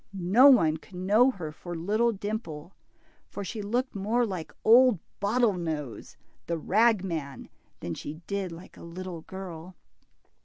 No one could know her for little Dimple, for she looked more like old Bottlenose, the ragman, than she did like a little girl.